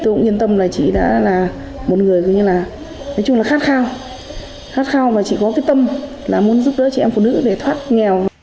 tôi cũng yên tâm là chị đã là một người gọi như là nói chung là khát khao khát khao và chị có cái tâm là muốn giúp đỡ chị em phụ nữ để thoát nghèo